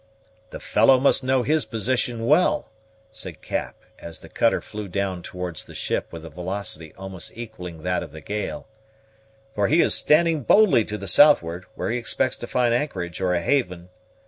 "The fellow must know his position well," said Cap, as the cutter flew down towards the ship with a velocity almost equalling that of the gale, "for he is standing boldly to the southward, where he expects to find anchorage or a haven.